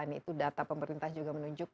ini lembaga penelitian remaining cow agricult